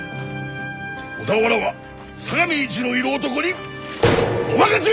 小田原は相模一の色男にお任せあれ！